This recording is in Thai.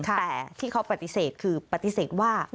แต่ที่เขาปฏิเสธคือปฏิเสธว่า